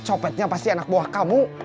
copetnya pasti anak buah kamu